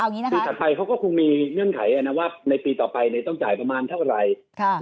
คือถัดไปเขาก็คงมีเงื่อนไขนะว่าในปีต่อไปต้องจ่ายประมาณเท่าไหร่